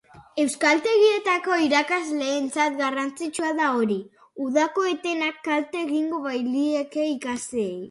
Euskaltegietako irakasleentzat garrantzitsua da hori, udako etenak kalte egingo bailieke ikasleei.